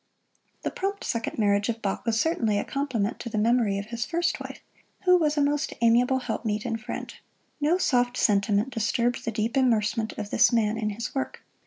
The prompt second marriage of Bach was certainly a compliment to the memory of his first wife, who was a most amiable helpmeet and friend. No soft sentiment disturbed the deep immersement of this man in his work.